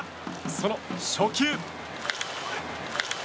その初球。